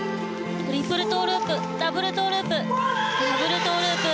トリプルトウループダブルトウループダブルトウループ。